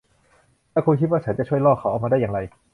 และคุณคิดว่าฉันจะช่วยล่อเขาออกมาได้อย่างไร